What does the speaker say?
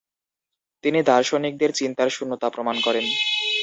তিনি দার্শনিকদের চিন্তার শূন্যতা প্রমাণ করেন।